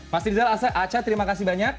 mas rizal asa aca terima kasih banyak